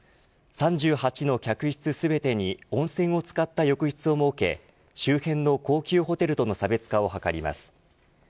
３８の客室全てに温泉を使った浴室を設け周辺の高級ホテルとの差別化を図ります。